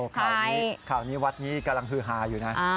คราวนี้วัดนี้กำลังฮือฮาอยู่นะ